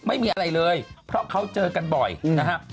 ไม่มีอะไรเลยเพราะเขาเจอกันบ่อยนะครับ